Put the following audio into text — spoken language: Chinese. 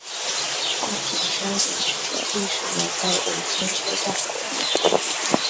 大坪山遗址的历史年代为春秋战国。